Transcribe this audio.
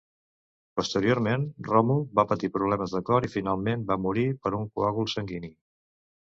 Posteriorment, Ròmul va patir problemes de cor i finalment va morir per un coàgul sanguini.